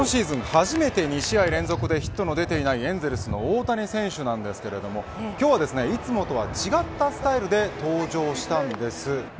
初めて２試合連続でヒットの出ていないエンゼルスの大谷選手なんですが今日はいつもと違ったスタイルで登場したんです。